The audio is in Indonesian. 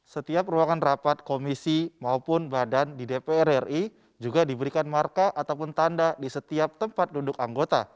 setiap ruangan rapat komisi maupun badan di dpr ri juga diberikan marka ataupun tanda di setiap tempat duduk anggota